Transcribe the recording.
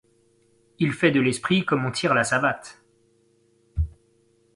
Il fait de l’esprit comme on tire la savate.